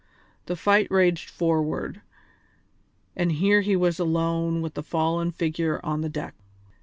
The fight raged forward, and here he was alone with the fallen figure on the deck.